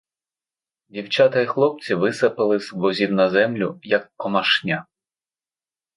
Дівчата й хлопці висипали з возів на землю, як комашня.